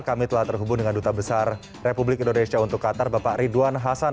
kami telah terhubung dengan duta besar republik indonesia untuk qatar bapak ridwan hasan